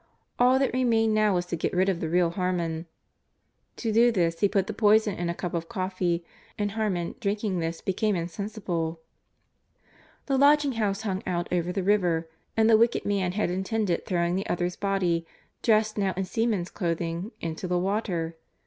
All that remained now was to get rid of the real Harmon. To do this he put the poison in a cup of coffee, and Harmon, drinking this, became insensible. The lodging house hung out over the river and the wicked man had intended throwing the other's body, dressed now in seaman's clothing, into the water.